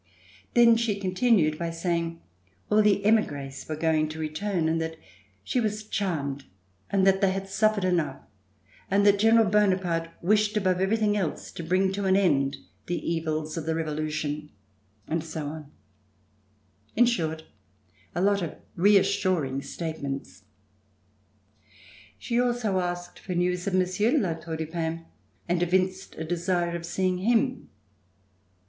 Then she continued by saying that all the emigres were going to return and that she was charmed, that they had suffered enough and that General Bonaparte wished above everything else to bring to an end the evils of the Revolution and so on, in short a lot of reassuring statements. She also asked for news of Monsieur de La Tour du Pin and evinced a desire of seeing him.